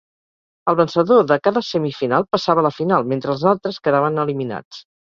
El vencedor de cada semifinal passava a la final, mentre els altres quedaven eliminats.